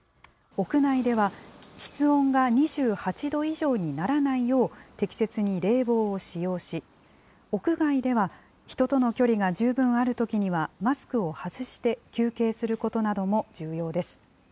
屋内では室温が２８度以上にならないよう、適切に冷房を使用し、屋外では人との距離が十分あるときには、マスクを外して休憩することなども重要です。